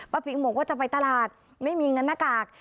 พิงบอกว่าจะไปตลาดไม่มีเงินหน้ากาก